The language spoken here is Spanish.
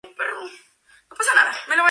Fundó el en Szeged.